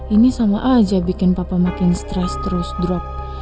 ini sama aja bikin papa makin stres terus drop